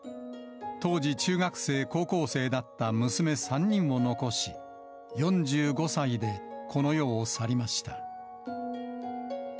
当時中学生、高校生だった娘３人を残し、４５歳でこの世を去りました。